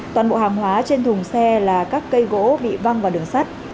toàn bộ hàng hóa trên thùng xe là các cây gỗ bị văng vào đường sắt